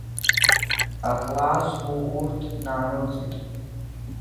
Аклассӷәы урҭ нанылҵеит.